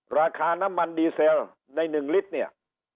ราคาน้ำมันดีเซลใน๑ลิตรเนี่ย